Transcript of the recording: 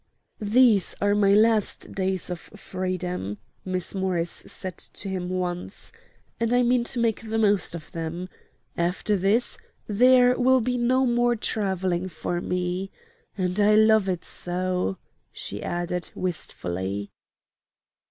"These are my last days of freedom," Miss Morris said to him once, "and I mean to make the most of them. After this there will be no more travelling for me. And I love it so!" she added, wistfully.